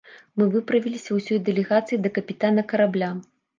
Мы выправіліся ўсёй дэлегацыяй да капітана карабля.